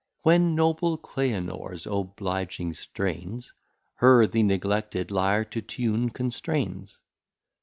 When Noble Cleanors obliging Strains Her, the neglected Lyre to tune, constrains.